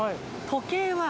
時計？